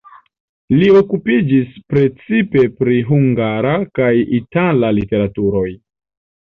Li okupiĝis precipe pri hungara kaj itala literaturoj.